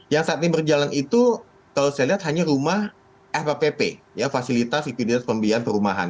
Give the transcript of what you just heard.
yang saat ini berjalan itu kalau saya lihat hanya rumah fpp fasilitas ipds pembiayaan perumahan